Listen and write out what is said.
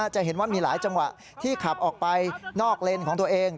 จะเห็นว่ามีหลายจังหวะที่ขับออกไปนอกเลนของตัวเอง